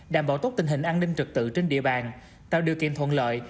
đảm bảo tốt tình hình an ninh trực tự trên địa bàn tạo điều kiện thuận lợi